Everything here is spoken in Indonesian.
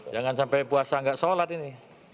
jangan sampai puasa gak sholat ini